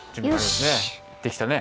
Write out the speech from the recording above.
できたね。